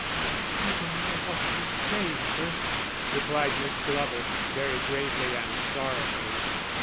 "You don't know what you're saying, Bertha," replied Miss Glover, very gravely and sorrowfully.